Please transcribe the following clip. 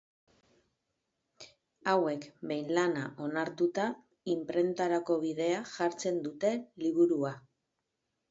Hauek, behin lana onartuta, inprentarako bidean jartzen dute liburua.